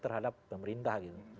terhadap pemerintah gitu